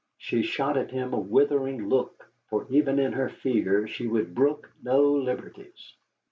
She shot at him a withering look, for even in her fear she would brook no liberties.